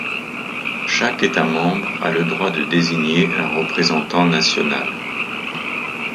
Chaque état membre a le droit de désigner un représentant national.